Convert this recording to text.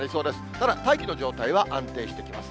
ただ、大気の状態は安定してきます。